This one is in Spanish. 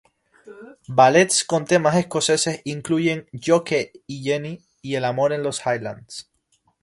Ballets con temas escoceses incluyen "Jockey y Jenny" y "El amor en los Highlands".